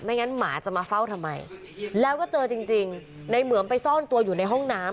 ไม่งั้นหมาจะมาเฝ้าทำไม